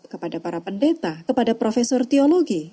kepada para pendeta kepada profesor teologi